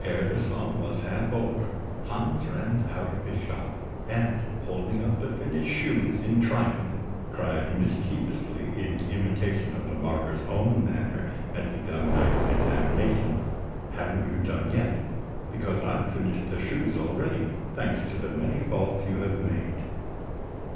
Ere the song was half over, Hans ran out of his shop, and, holding up the finished shoes in triumph, cried mischievously in imitation of the marker's own manner at the young knight's examination, "Haven't you done yet? Because I've finished the shoes already, thanks to the many faults you have made!"